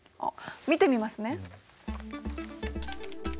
見てみますね。